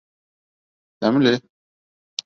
-Тәмле.